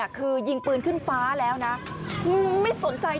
ไม่ได้ไม่ได้ไม่ได้